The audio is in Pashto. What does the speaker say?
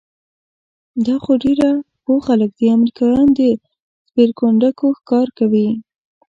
دا خو ډېر پوه خلک دي، امریکایان د سپېرکونډکو ښکار کوي؟